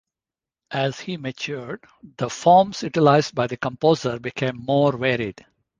As he matured, the forms utilized by the composer became more varied.